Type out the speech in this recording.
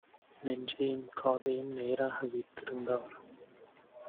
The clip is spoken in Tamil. நெஞ்சையும் காதையும் நேராக வைத்திருந்தார்: